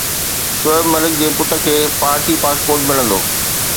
شعيب ملڪ جي پٽ کي ڀارتي پاسپورٽ ملندو